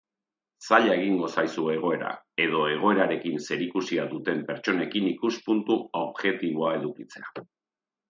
Zaila egingo zaizu egoera, edo egoerarekin zerikusia duten pertsonekin ikuspuntu objektiboa edukitzea.